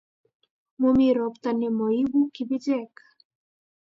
momi ropta nemoibu kibichek